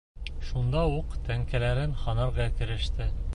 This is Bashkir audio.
Шунда уҡ тәңкәләрен һанарға кереште.